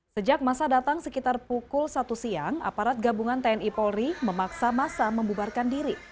sejak masa datang sekitar pukul satu siang aparat gabungan tni polri memaksa masa membubarkan diri